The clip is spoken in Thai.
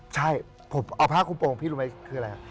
ใช่ผมเอาผ้าคุมโปรงพี่รู้ไหมคืออะไรฮะ